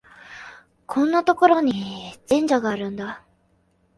こんなところに神社があるんだ